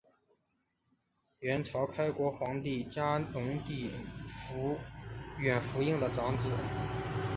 阮朝开国皇帝嘉隆帝阮福映的长子。